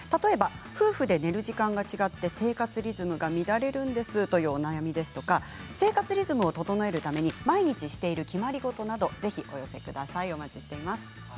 夫婦で寝る時間が違って生活リズムが乱れるというお悩みや生活リズムを整えるために毎日している決まり事などお寄せください。